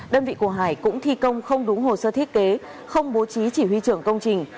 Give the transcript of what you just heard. đơn vị của hải cũng thi công không đúng hồ sơ thiết kế không bố trí chỉ huy trưởng công trình